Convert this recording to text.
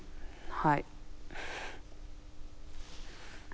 はい。